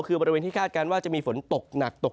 คือบริเวณที่คาดการณ์ว่าจะมีฝนตกหนักตก